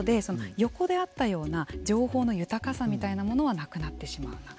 一方で、横であったような情報の豊かさみたいなものはなくなってしまうなと。